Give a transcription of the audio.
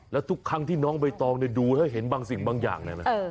แล้วทุกครั้งที่น้องใบตองดูให้เห็นบางสิ่งบางอย่าง